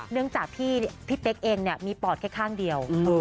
เนื่องจากพี่เป๊กเองมีปอดแค่ข้างเดียว